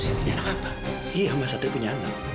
iya mas satria punya anak